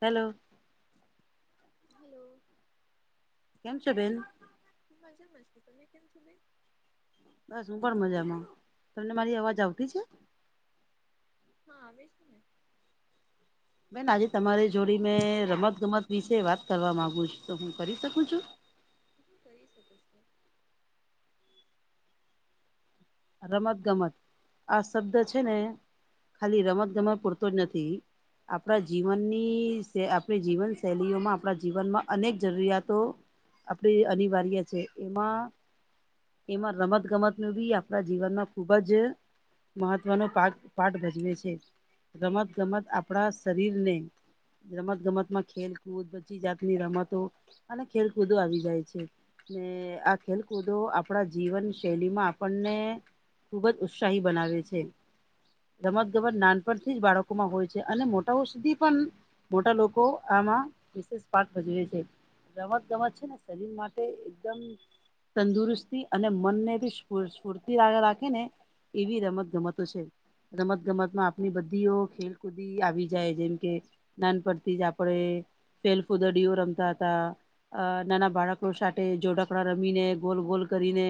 Hello hello કેમ છોબેન મજામાં છું તમે કેમ છો બેન બસ હું પણ મજામાં તમને મારી અવાજ આવ તે છે, હા આવે છે, ને બેન આજે તમારી જોડી મેં રમત ગમત વિશે વાત કરવા માગુ છું તો હું કરી શકું છું હું કરી શકો છો રમત ગમત આ શબ્દ છે, ને ખાલી રમત ગમત પૂરતો જ નથી આપણા જીવનની આપણી જીવનશૈલીઓમાં આપણા જીવનમાં અનેક જરૂરિયાતો આપડી અનિવાર્ય છે, એમાં એમાં રમત ગમત ન બી આપણા જીવનમાં ખુબ જ મહત્વનો પાક પાઠ રજવે છે, રમત ગમત આપણા શરીર ને રમત ગમતમાં ખેલકૂદ બચી જાતની રમતો અને ખેલકૂદો આવી જાય છે, જેઆ ખેલકૂદો આપણા જીવન શૈલી માં આપણને ખુબ જ ઉત્સાહી બનાવે છે, રમત ગમત નાનપણથી જ બાળકોમાં હોય છે, અને મોટાઓ સુધી પણ મોટા લોકો આમાં વિશેષ પાઠ ભજવે છે, રમત ગમત છે, ને શરીર માટે એકદમ તંદુરસ્તી અને મનને બી સ્કૂલ છોડ આગળ રાખે ને એવી રમત ગમતો છે, રમત ગમત માં આપણી બધીઓ ખેલકૂદી આવી જાય જેમકે નાનપથી જ આપણેે ફેલ ફુદડીઓ રમતા હતા અ નાના બાળકો સાથે જોડાકણા રમીને ગોલ ગોલ કરીને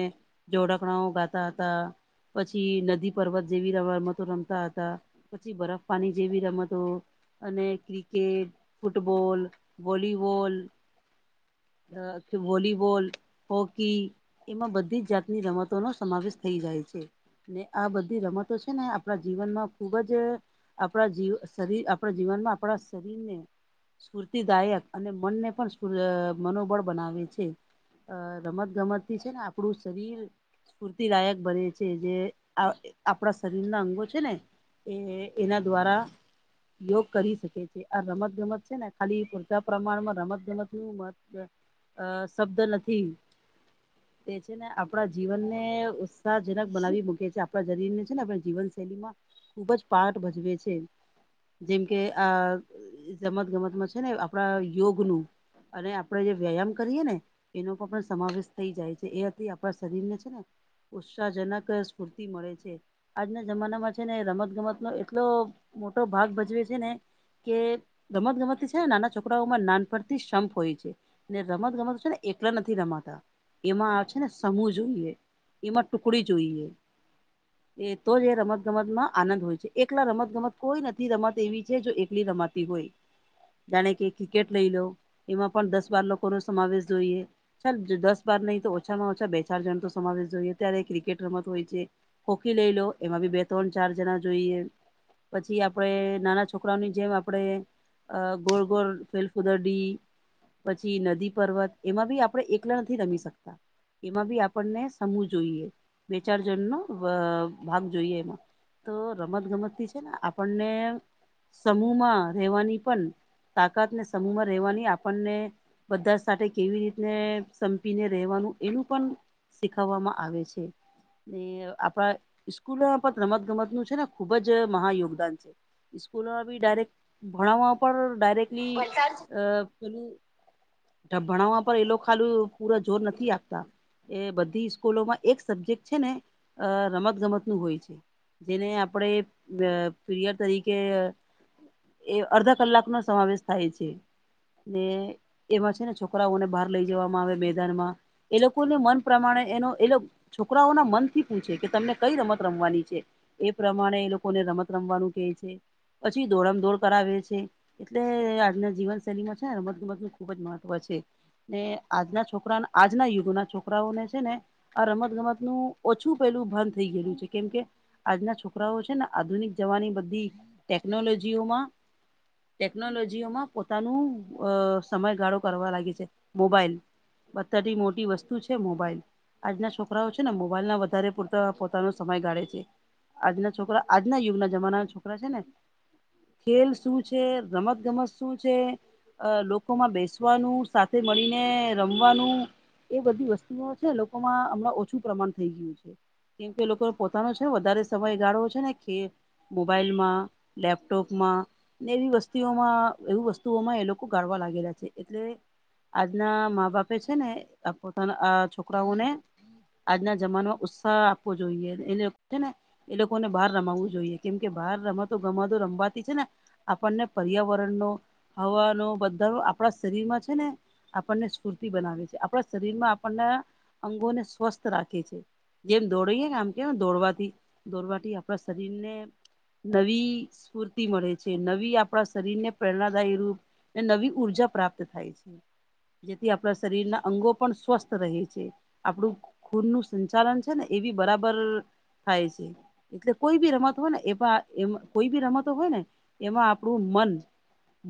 જોડાકણા ગાબા હતા પછી નદી પર્વત જેવી રમમતો રમતા હતા પછી બરફ પાની જેવી રમતો અને ક્રિકેટ ફૂટબોલ વોલીબોલ કે વોલીબોલ હોકી એમાં બધી જ જાતની રમતો ન સમાવેશ થઈ જાય છે, ને આ બધી રમતો છે, ને આપણા જીવનમાં ખુબ જ આપણા જી શરીર આપણા જીવનમાં આપણા શરીરને સ્ફૂર્તિદાયક અને મનને પણ મનોબળ બનાવે છે. અ રમત ગમત થી છે, ને આપણું શરીર. સ્ફૂર્તિદાયક બને છે, જે આપણા શરીરના અંગો છે, ને એને એના દ્વારા. યોગ કરી શકે છે, આ રમત ગમત છે, ને ખાલી પૂરતા પ્રમાણમાં રમતગમત ની ઉમત. અ શબ્દ નથી તે છે, ને આપણા જીવન. ઉત્સાહજનક બનાવી મૂકી છે આપણા જરીર ને છે ને આપણે જીવનશૈલી માં. ખુબજ પાટ ભજવે છે. જેમ કે આ રમત ગમતમાં છે ને આપણા યોગનું. અને આપણેે જે વ્યાયામ કરીએ ને એનો પણ પણ સમાવેશ થઈ જાય છે એ હતી આપણા શરીર ને છે ને. ઉત્સાહજનક સ્ફૂર્તિ મળે છે. આજના જમાનામાં છે ને રમત ગમત નો એટલો મોટો ભાગ ભજવે છે ને. કે ગમત ગમત છે ને નાના છોકરાઓમાં નાન પરડથી સંપ હોય છે. ને રમત ગમત છે ને એકલા નથી રમાતા એમાં આવે છે ને સમૂહ જોઈએ. એમાં ટુકડી જોઈએ. એ તો જ એ રમત ગમત માં આનંદ હોય છે એકલા રમત ગમત કોઈ નથી રમત એવી છે જો એકલી રમત. હો જાણે કે ક્રિકેટ લઈ લો એમાં પણ દસ બાર લોકો નો સમાવેશ જોઈએ. ચ દસ બાર નહી તો ઓછામાં ઓછા બે ચાર જણ તો સમાવેશ જોઈએ ત્યારે ક્રિકેટ રમત હોય છે. કોકી લઈ લો એમાં બી બે ત્રણ ચાર જણા જોઈએ. પછી આપડે નાના છોકરાઓની જેમ આપડે. અ ગોડ ગોડ ફલફુદરડી. પછી નદી પર્વત એમાં બી આપડે એકલા નથી રમી શકતા એમાં બી. આપને સમ જોઈએ વચારજણનોો ભાગ જોઈએ એમાં. તો રમત ગમતથી છે ને આપણને સમૂહ માં રહેેવાની પણ. તાકાતને સમૂહ રહેેવાની આપણને. બધા સાથે કેવી રીતને સંપીને રહેેવાનું એનું પણ. શીખવવામાં આવે છે. ને આપણા સ્કૂલ પણ રમત ગમત નું છે ને ખુબ જ મહા યોગદાન છે. સ્કૂલોમાં બી ડાયરેક્ટ ભણવા ઉપ ડાયરેક્ટલી અ પેલું. ભણાવવા પર એ લોકો ખાું પૂરા જોર નથી આપતા. એ બધી સ્કૂલોમાં એક સબ્જેક્ટ છે ને અ રમત ગમત નું હોય છે. જેને આપણે પરયર તરીકે. એ અર્ધા કલાક નો સમાવેશ થાય છે. ને એમાં છે ને છોકરાઓને બહાર લઈ જવામાં આવે મેદાનમાં એ લોકોને મન. પ્રમાણે એનો એ છોકરાઓના મન થી પૂછે કે તમને કઈ રમત રમવાની છે. એ પ્રમાણે એ લોકોને રમત રમવાનું કે છે પછી દોડમ દોડ કરાવે છે. એટલે આજના જીવનશૈલીમાં છે ને રમત ગમત નું ખુબ જ મહત્વ છે. ને આજના છોકરા આજના યુગો ના છોકરા. છોકરાઓને છે ને આ રમત ગમત નું ઓછું પેલું ભંધ થઈ ગયેલું છે કેમ કે. આજના છોકરાઓ છે ને આધુનિક જવાની બધી ટેકનોલોજીઓમાં. ટેકનોલોજીઓમાં પોતાનું અ સમયગાળો કરવા લાગે છે મોબાઈલ. બતી મોટી વસ્તુ છે. મોબાઈલ આજના છોકરાઓ છે ને મોબાઈલ ના વધારે પૂરતા પોતાનો સમય ગાળે છે. આજના છોકરા આજના યુગના જમાનાના છોકરા છે ને. ખેલ શું છે રમત ગમત શું છે. અ લોકોમાં બેસવાનું સાથે મળીને રમવાનું એ બધી વસ્તુ. છે લોકોમાં હમણાં ઓછું પ્રમાણ થઈ ગયું છે કેમ કે લોકો પોતાનો છે ને વધારે સમયગાળો છે ને. મોબાઈલમાં લેપટોપમાં. ને એવી વસ્તુઓમાં એવી વસ્તુઓમાં એ લોકો ગાળવા લાગેલા છે એટલે. આજના મા બાપે છે ને પોતાના છોકરાઓને આજના જમાનોમાં ઉત્સાહ આપવો જોઈએ એ લોકો છે ને એ લોકોને બહાર રમાવું જોઈએ કેમ કે બહાર રમતો ગમતો રમવાથી છે ને આપણને પર્યાવરણ નો હવા ન બધા આપણા શરીર માં છે ને આપણને સ્ફૂર્તિ બનાવે છે આપણા શરીર માં આપણના અંગોને સ્વસ્થ રાખે છે જેમ દોડએ આમ કેને દોડવાથી દોડવાથી આપણા શરીર ને નવી સ્ફૂર્તિ મળે છે નવી આપણા શરીરને પ્રેરણાદાયી રૂપ નવી ઉર્જા પ્રાપ્ત થાય છે જેથી આપણા શરીરના અંગો પણ સ્વસ્થ રહે છે આપણું ખૂન ન સંચાલન છે ને એ બી બરાબર થાય છે એટલે કોઈ બી રમત હોય ને એ એ કોઈ બી રમતો હોય ને એમાં આપણું મન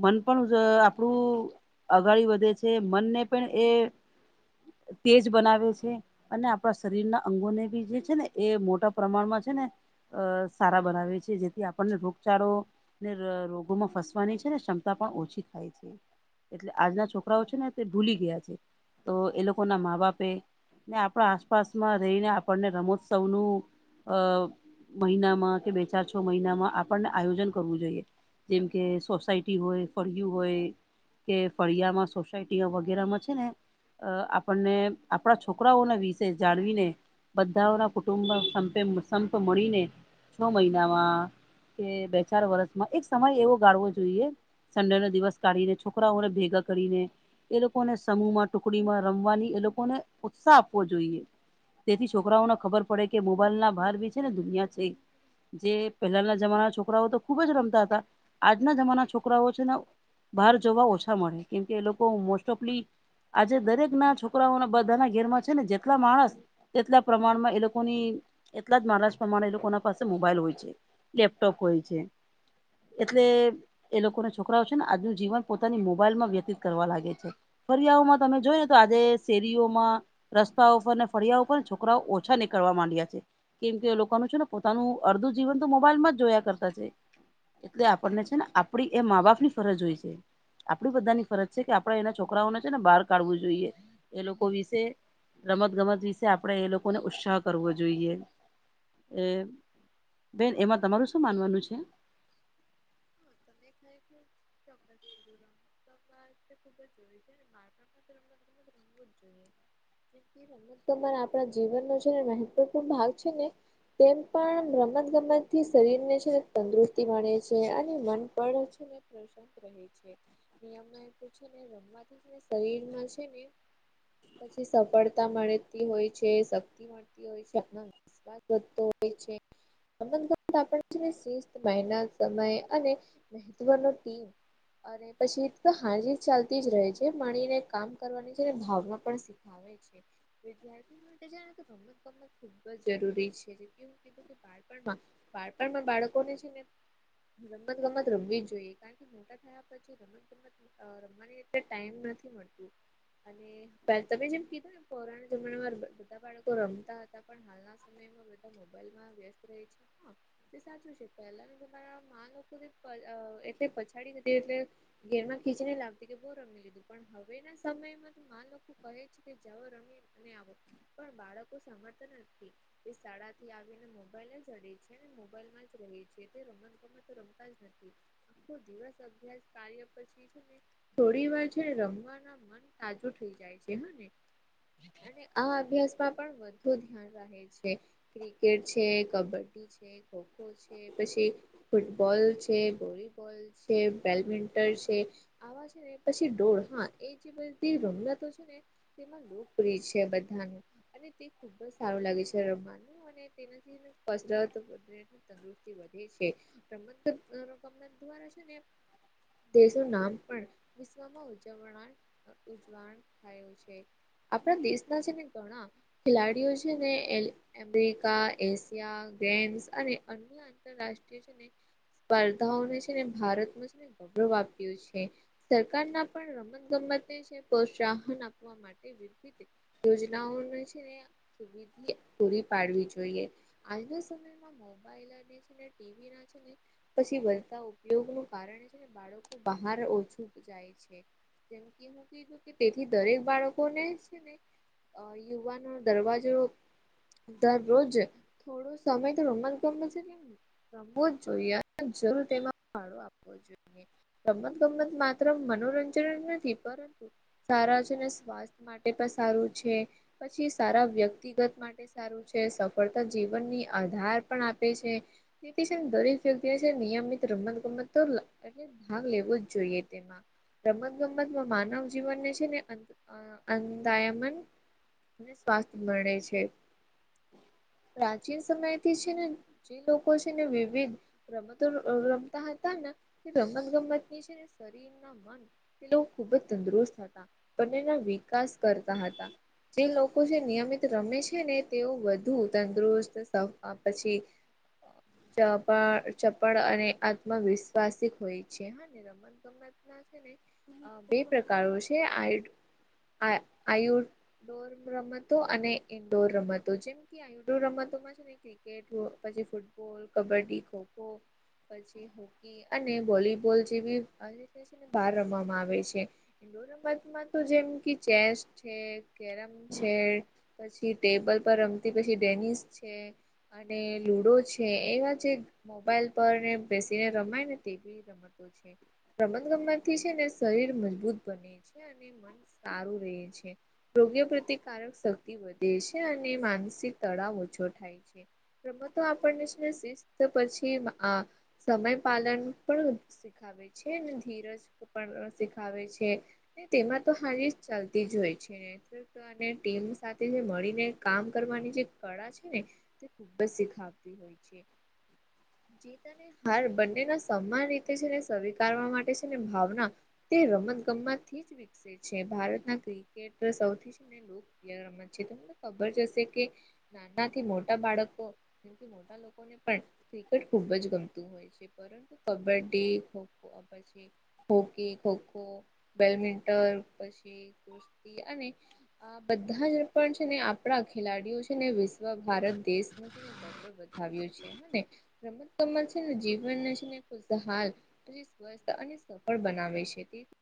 મન પણ આપણું આગળ વધે છે મનને પણ એ તેજ બનાવે છે અને આપણા શરીરના અંગોને બી જે છે ને એ મોટા પ્રમાણમાં છે ને અ સારા બનાવે છે જેથી આપણને રોગચાળો ને રોગોમાં ફસવાની છે ને ક્ષમતા પણ ઓછી થાય છે એટલે આજના છોકરાઓ છે ને તે ભૂલી ગયા છે તો એ લોકો ના મા બાપે ને આપણા આસપાસમાં રહીને આપણને રમોત્સવ નું અ મહિનામાં કે બે ચાર છ મહિનામાં આપણને આયોજન કરવું જોઈએ જેમ કે સોસાયટી હોય ફળય હોય કે ફળિયામાં સોસાયટી વગેરેમાં છે ને આપને આપણા છોકરાઓના વિશે જાણવીને બધાઓના કુટુંબપે સંપ મળીને છ મહિનામાં કે બે ચાર વર્ષમાં એક સમય એવો ગાળવો જોઈએ સંડે નો દિવસ કાઢીને છોકરાઓને ભેગા કરીને એ લોકોને સમૂહ માં ટુકડીમાં રમવાની એ લોકોને ઉત્સાહ આપવો જોઈએ તેથી છોકરાઓને ખબર પડે કે મોબાઈલ ના ભાર ભી છે ને દુનિયા છે જે પહેલાના જમાના છોકરાઓ તો ખુબ જ રમતા હતા આજના જમાનાના છોકરાઓ છે ને બહાર જોવા ઓછા મળે કેમકે એ લોકો મોસ્ટ ઓફ આજે દરેક ના છોકરાઓ બધા ના ઘેર માં છે ને જેટલા માણસ તેટલા પ્રમાણમાં એ લોકોની એટલા જ મારા જ પ્રમાણણે એ લોકોના પાસે મોબાઈલ હોય છે લેપટોપ હોય છે એટલે એ લોકોને છોકરાઓ છે ને આજનું જીવન પોતાની મોબાઈલ માં વ્યતીત કરવા લાગે છે ફરિયાઓમાં તમે જોય આજે શેરીઓમાં રસ્તા ઉપરને ફળિયા ઉપર છોકરાઓ ઓછા નીકળવા માંડ્યા છે કેમ કે લોકોનું છે ને પોતાનું અડધું જીવન તો મોબાઈલમાં જ જોયા કરતા છે એટલે આપણને છે ને આપડી એ મા બાપની ફરજ હોય છે આપણી બધાની ફરજ છે કે આપડા એના છોકરાઓને છે ને બહાર કાઢવું જોઈએ એ લોકો વિશે રમત ગમત વિશે આપડે એ લોકોને ઉત્સાહ કરવો જોઈએ એ બેન એમાં તમારું શું માનવાનું છે થાય ચોક્કસીધું ર ચોકસ ખુબ જ જરૂરી છે [inaudible] મરા આપણા જીવનનો છેને મહત્વપૂર્ણ ભાગ છે ને તેમ પણ રમત ગમત થી શરીર ને છે તંદુસ્તી મળે છે અને મ પેયમ પૂ એથી શરીર માં છે ને પછી સફળતા મળતી હોય છે શક્તિ મળતી હોય છે વધતો હોય છેસ્તના સમય અને મહત્વનો ટીમ અને પછી હાજી ચાલતી જ રહે છે માણીને કામ કરવાની છે ને ભાવના પણ ખ છે વિદ્યાર્થી માટે જાણે તો રમત ગમત ખુબ જ જરૂરી છે બાળપણમાં બાળપણમાં બાળકોને છે ને રમત ગમત રમવી જ જોઈએ કારણ કે મોટા થયા પછી ર રમવાની એટલે ટાઈમ નથી મળતું. અને તમે જેમ કીધું ને પૌરાણ જમાનામાં બધા બાળકો રમતા હતા પણ હાલના, સમમાં બધા મોબાઈલમાં વ્યસ્ત રહે છે હા તે સાચું છે પહેલાનું જમારા મા લોકો ને એટલે પછાડી એટલે ઘેરમાં ખીચને લાગતી કે બહુ રમી લીધું. પણ હવે ના સમયમાં તો મા લોકો કહે છે કે જઓ રમી ન પણ બાળકો સમર્થ નથી. તે શાળા થી આવીને મોબાઈલ જ અડે છે મોબાઈલ માં જ રહે છે તે રમત રમતા જ નથી આખો દિવસ અભ્યાસ કા ને પછી થોડી વાર છે રમવાના મન તાજુ થ જાય છે અને, અને આ અભ્યાસ માં પણ વધુ ધ્યાન રહે છે ક્રિકેટ છે, કબડ્ડી છે, ખો ખો છે, પછી ફૂટબોલ છે, વોલીબોલ છે, બેડમિન્ટન છે, આ માં છેને પછી ડોળ હા એ જે બધી રમતો છે ને, તેમાં લોકપ્રિય છે બધાનું અને તે ખુબ જ સારું લાગે છે રમવાનું અને, તેનાથી કસરત અને તંદુરસ્તી વધે છે. રમત અરમના દ્વારા છે ને, દેશો નામ પણ વિશ્વમાં ઉજવનાર, ઉજવાણ થયું છે આપણા દેશ ના છે ને ઘણા, ખેલાડીઓ છે ને અમેરિકા એશિયા ગેમસ અને અન્ય આંતરરાષ્ટ્રીય છે ને, સ્પર્ધાઓ ને છે ને ભારતમાં છેને ગૌરવ આપ્યું છે. સરકાર ના પણ રમત ગમત છે પ્રોત્સાહન આપવા માટે વિ તકીય યોજનાઓ છે ને, સુધ પૂરી પાડવી જોઈએ, આજના સમયમાં મોબાઈલ, [unintelligible] પછી વધતા ઉપયોગ નો કારણ છે ન, બાળકો બહાર ઓછું જાય છે. જેમ કે હું કીધું કે તેથી દરેક બાળકોને છે ને, અ યુવાનો દરવાજો, દરરોજ થોડો સમય તો રમવા ગમો છે કેમ રમવો જ, જોઈએ જરૂર તેમાં ફાળો આપવો જોઈએ. રમત ગમત માત્ર મનોરંજન જ નથી પરંતુ, સારા છે ને સ્વાસ્થ્ય માટે પણ સારું છે પછી સારા વ્યક્તિગત માટે, સારું છે, સફળતા જીવન ની આધાર પણ આપે છે, તેથી છે ને દરેક ક્તિ નિયમિત રમત ગમત તો એટ ભાગ લેવો જ જોઈએ તેમાં. રમત-ગમતમાં માનવ જીવનને છે ને, અંદાયમન. ને સ્વાસ્થ મળે છે. હ. પ્રાચીન સમયથી છે ને, જે લોકો છે ને વિવિધ. રમતો રમતા હતા ને, તે રમત ગમતની છે ને, શરીર મ એ ખુબ જ તંદુરુસ્ત હતા, બ એના વિકાસ કરતા હતા. જે લોકો જે નિયમિત રમે છે ને, તેઓ વધુ તંદુરસ્ત સાફ પછી [unintelligible] ચપ [unintelligible] ચપળ અને આત્મવિશ્ર્વાસ ઇક હોય છે. હા, રમત-ગમત બે પ્રકારો છે, આ આયુ ડોર રમતો અને ઇન્ડોર રમતો, જેમ કે આઈડોર રમતોમાં છે. ક્રિકેટ પછી, ફૂટબોલ, કબડ્ડી, ખોખો પછી કી અને વોલીબોલ જેવી. બાર રમવામાં આવે છે, આઉટડોર રમતમાં તો જેમ ચે છે, કેરમ છે, પછી ટેબલ પર રમતી પછી ડેનિસ છે. અને લુડો છે એવા જે મોબાઈલ પર ને બેસીને રમાય ને તેવી રમતું રમત ગમતથી છે ને શરીર મજબૂત બને છે મન સારું રહે છે રોગ્ય પ્રતિકારક શક્તિ વધે છે અને માનસિક તળાવ ઓછો થાય છે મ તો આપણને જ નસી તો પછી સમય પાલન પણ શીખ છે ધીરજ પણ શીખાવે છે તેમાં તો હારી જ ચાલતી જ હોય છે ટીમ સાથે જે મળીને કામ કરવાની જે કળા છે ને તે ખૂબ જ શીખાવતી હોય છે જીત અને હાર બંનેના સમાન રીતે છેને સ્વીકારવા માટે છે ને ભાવના તે રમત ગમતથી જ વિકસે છે ભારતના ક્રિકેટર સૌથી લોક્રય રમત છે તમને ખબર જ હશે કે નાનાથી મોટા બાળકો મોટા લોકોને પણ ક્રિકેટ ખુબ જ ગમતું હોય છે પરંતુ કબડ્ડી ખોખો હોકી ખોખો બેડમિન્ટન પછી કુષતી અને આ બધા જ પણ છે ને આપણા ખેલાડીઓ છે ને વિશ્વ ભારત દેશ ન છે ને ગ વધ્યું છે રમત ગમત છે ને જીવન છેને ખુશહાલ સ્વસ્થ અને સફળ બનાવે છે તે